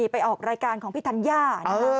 ไปออกรายการของพี่ธัญญา